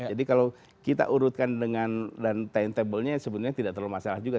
kalau kita urutkan dengan dan timetable nya sebenarnya tidak terlalu masalah juga